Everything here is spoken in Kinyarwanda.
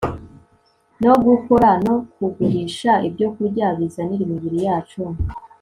no gukora no kugurisha ibyokurya bizanira imibiri yacu